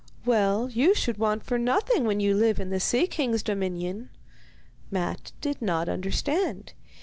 'Well, you should want for nothing when you live in the Sea King's dominion.' Matte did not understand.